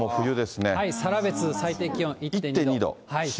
更別、最低気温１．２度。